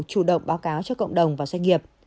chủ động báo cáo cho cộng đồng và doanh nghiệp